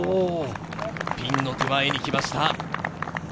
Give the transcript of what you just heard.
ピンの手前に来ました。